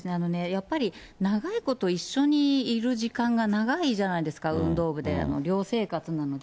やっぱり、長いこと一緒にいる時間が長いじゃないですか、運動部で、寮生活なので。